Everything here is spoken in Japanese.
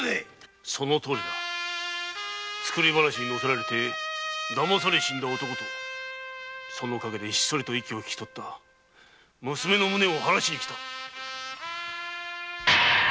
そのとおり作り話に乗せられだまされて死んだ男とその陰でひっそり息を引き取った娘の無念を晴らしに来た。